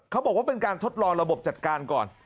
เขาบอกว่าเป็นการทดลองระบบจัดการก่อน